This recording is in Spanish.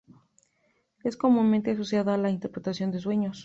Es comúnmente asociada a la interpretación de sueños.